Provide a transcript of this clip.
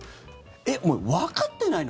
えっ、お前、わかってないの？